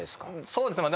そうですね。